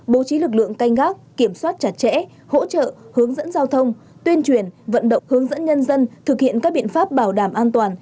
bố trí lực lượng canh gác kiểm soát chặt chẽ hỗ trợ hướng dẫn giao thông tuyên truyền vận động hướng dẫn nhân dân thực hiện các biện pháp bảo đảm an toàn